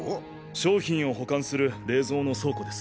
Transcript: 商品を保管する冷蔵の倉庫です。